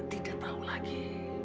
tidak tau lagi